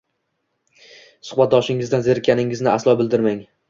Suhbatdoshingizdan zerikkaningizni aslo bildirmang.